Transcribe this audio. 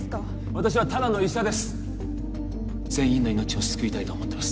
私はただの医者です全員の命を救いたいと思ってます